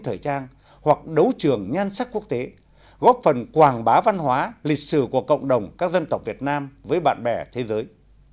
thời trang hoặc đấu trường nhan sắc quốc tế góp phần quảng bá văn hóa lịch sử của cộng đồng các dân tộc việt nam với bạn bè thế giới